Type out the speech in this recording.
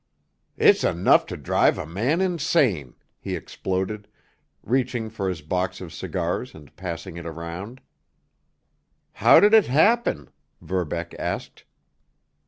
"It's enough to drive a man insane!" he exploded, reaching for his box of cigars and passing it around. "How did it happen?" Verbeck asked.